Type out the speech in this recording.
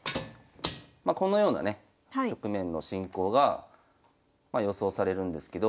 まこのようなね局面の進行が予想されるんですけど。